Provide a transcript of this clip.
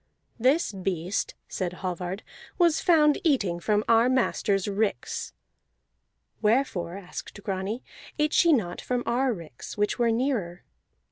"This beast," said Hallvard, "was found eating from our masters ricks." "Wherefore," asked Grani, "ate she not from our ricks, which were nearer?"